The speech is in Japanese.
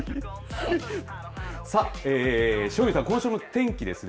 塩見さん、今週の天気ですね